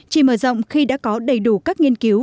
chỉ mở rộng khi đã có đầy đủ các nghiên cứu